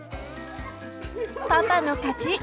パパの勝ち！